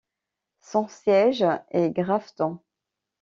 Son siège est Grafton.